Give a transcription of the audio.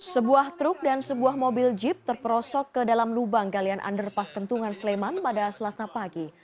sebuah truk dan sebuah mobil jeep terperosok ke dalam lubang galian underpass kentungan sleman pada selasa pagi